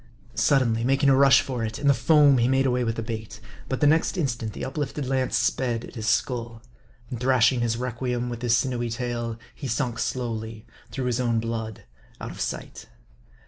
Sud denly making a rush for it, in the foam he made away with the bait. But the next instant, the uplifted lance sped at his skull ; and thrashing his requiem with his sinewy tail, he sunk slowly, through his own blood, out of sight.